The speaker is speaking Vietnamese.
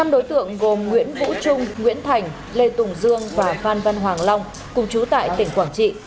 năm đối tượng gồm nguyễn vũ trung nguyễn thành lê tùng dương và phan văn hoàng long cùng chú tại tỉnh quảng trị